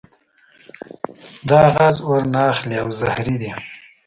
دا غاز اور نه اخلي او زهري دی.